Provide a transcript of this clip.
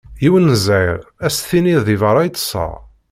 Yiwen n zzhir ad s-tiniḍ deg berra i ṭṭseɣ.